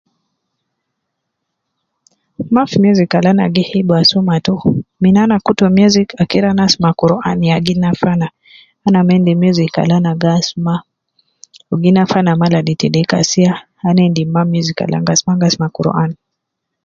Maf music al ana gi hibu asuma to, min ana kutu music aker ana asuma Quran ya gi nafa ana, ana ma endi music al ana gi asuma, wu gi nafa ana ma ladi te deeka sia, ana endi na music al ana gi asuma, ana gi asuma Quran